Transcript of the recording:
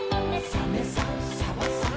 「サメさんサバさん